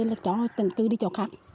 là cháu tình cư đi chỗ khác